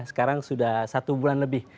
sekarang sudah satu bulan lebih